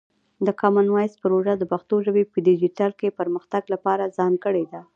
د کامن وایس پروژه د پښتو ژبې په ډیجیټل کې پرمختګ لپاره ځانګړې ده.